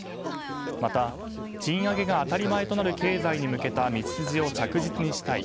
また、賃上げが当たり前となる経済に向けた道筋を着実にしたい。